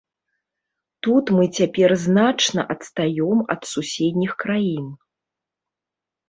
Тут мы цяпер значна адстаём ад суседніх краін.